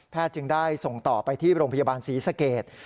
จึงได้ส่งต่อไปที่โรงพยาบาลศรีสเกต